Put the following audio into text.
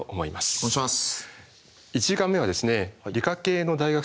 お願いします。